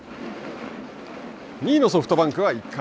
２位のソフトバンクは１回。